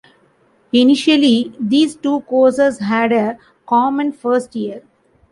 Initially these two courses had a common first year.